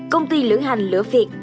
công ty lưỡng hành lựa việt